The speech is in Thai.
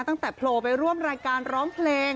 ตั้งแต่โผล่ไปร่วมรายการร้องเพลง